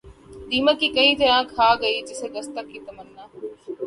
دیمک کی طرح کھا گئی جسے دستک کی تمنا